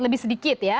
lebih sedikit ya